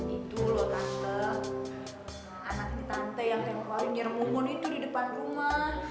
itu loh tante anak tante yang tengah kemarin nyerempun itu di depan rumah